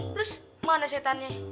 terus mana setannya